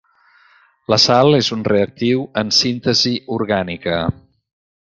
La sal és un reactiu en síntesi orgànica.